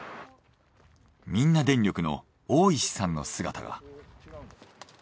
みんな電力の大石さんの姿が。